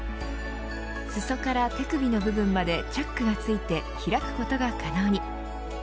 裾から手首の部分までチャックがついて開くことが可能に。